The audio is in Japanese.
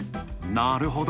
なるほど！